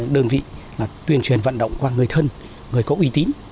đơn vị là tuyên truyền vận động qua người thân người có uy tín